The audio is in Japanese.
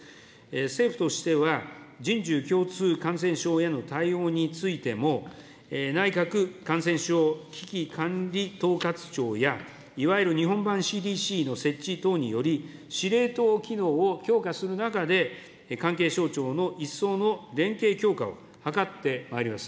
政府としては、人獣共通感染症への対応についても、内閣感染症危機管理統括庁や、いわゆる日本版ＣＤＣの設置等により、司令塔機能を強化する中で、関係省庁の一層の連携強化を図ってまいります。